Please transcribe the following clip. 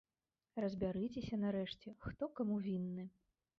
Разбярыцеся нарэшце, хто каму вінны!